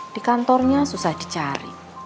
di kantornya susah dicari